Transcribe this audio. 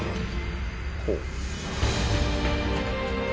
ほう。